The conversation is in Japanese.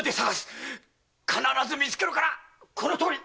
必ず見つけるからこのとおり！